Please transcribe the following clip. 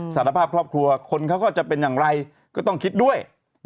สารภาพครอบครัวคนเขาก็จะเป็นอย่างไรก็ต้องคิดด้วย